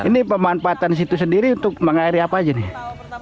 ini pemanfaatan situ sendiri untuk mengairi apa aja nih